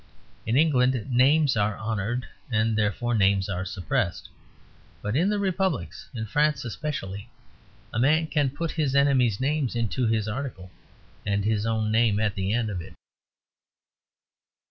In England names are honoured, and therefore names are suppressed. But in the republics, in France especially, a man can put his enemies' names into his article and his own name at the end of it.